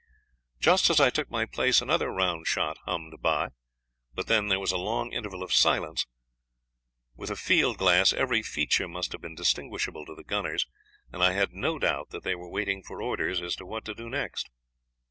"Just as I took my place another round shot hummed by; but then there was a long interval of silence. With a field glass every feature must have been distinguishable to the gunners, and I had no doubt that they were waiting for orders as to what to do next.